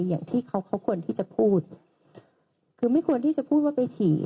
อย่างที่เขาเขาควรที่จะพูดคือไม่ควรที่จะพูดว่าไปฉี่